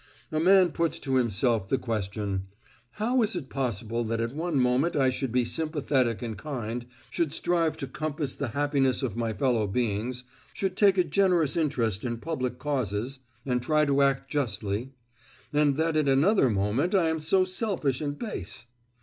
A man puts to himself the question: How is it possible that at one moment I should be sympathetic and kind, should strive to compass the happiness of my fellow beings, should take a generous interest in public causes, and try to act justly; and that at another moment I am so selfish and base?